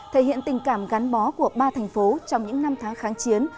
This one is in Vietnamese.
thể hiện tình cảm gắn bó của ba thành phố trong những năm tháng kháng chiến